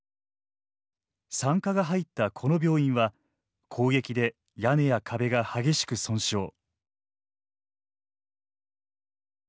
産科が入ったこの病院は攻撃で屋根や壁が激しく損傷。